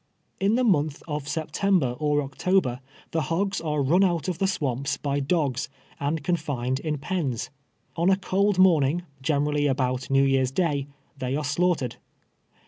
In the month of September or Octol)er, the hogs are run out of the swamps by dogs, and confined in pens. On a cold morning, generally about Xew Year's day, they are slaughtered.